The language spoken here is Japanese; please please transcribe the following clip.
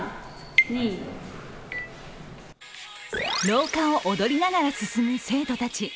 廊下を踊りながら進む生徒たち。